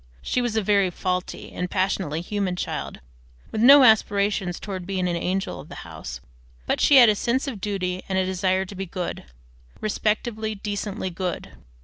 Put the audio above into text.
She was a very faulty and passionately human child, with no aspirations towards being an angel of the house, but she had a sense of duty and a desire to be good, respectably, decently good.